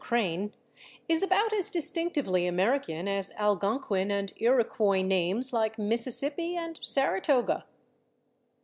Crane, "is about as distinctively American as Algonquin and Iroquois names like /Mississippi/ and /Saratoga